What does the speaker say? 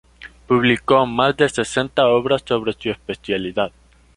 Publicó más de sesenta obras sobre su especialidad.